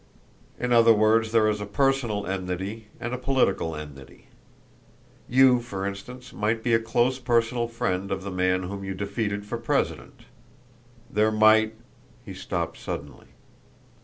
In other words there is a personal enmity and a political enmity. You, for instance, might be a close personal friend of the man whom you defeated for president. There might" he stopped suddenly.